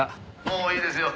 「もういいですよ」